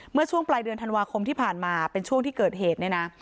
เมื่อช่วงปลายเดือนธันวาคมที่ผ่านมาเป็นช่วงที่เกิดเหตุเนี่ยนะ